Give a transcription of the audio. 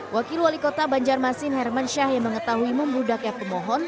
wakil wali kota banjarmasin herman syah yang mengetahui membudaknya pemohon